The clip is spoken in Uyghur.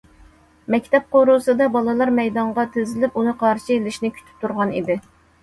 مەكتەپ قورۇسىدا بالىلار مەيدانغا تىزىلىپ ئۇنى قارشى ئېلىشنى كۈتۈپ تۇرغان ئىدى.